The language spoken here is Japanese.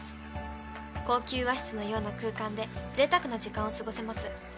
高級和室のような空間でぜいたくな時間を過ごせます。